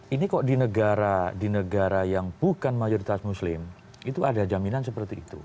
ini kok di negara yang bukan mayoritas muslim itu ada jaminan seperti itu